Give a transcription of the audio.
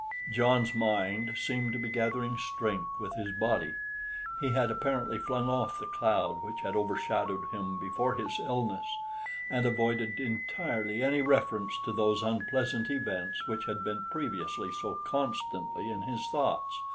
John's mind seemed to be gathering strength with his body. He had apparently flung off the cloud which had overshadowed him before his illness, and avoided entirely any reference to those unpleasant events which had been previously so constantly in his thoughts.